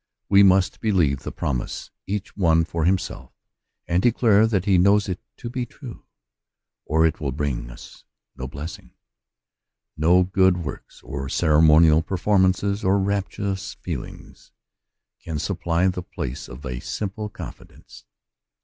We must believe the promise, each one for himself, and declare that he knows it to be true, or it will bring us no blessing. No good works, or ceremonial performances, or rapturous feelings, can supply the place of a simple confidence.